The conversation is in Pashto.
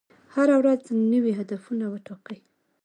هره ورځ نوی هدف وټاکئ.